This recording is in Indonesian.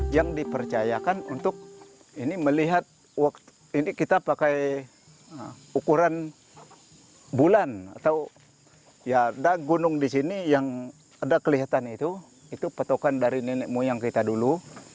yang dipercayakan untuk ini melihat ini kita pakai ukuran bulan atau ya ada gunung di sini yang ada kelihatan itu itu petokan dari nenek moyang kita dulu